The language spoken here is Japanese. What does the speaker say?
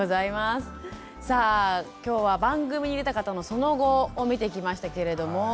さあ今日は番組に出た方のその後を見てきましたけれども。